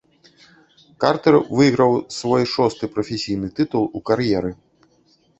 Картэр выйграў свой шосты прафесійны тытул у кар'еры.